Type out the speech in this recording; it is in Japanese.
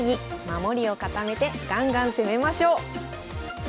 守りを固めてガンガン攻めましょう！